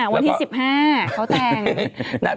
วันที่๑๕เขาแต่ง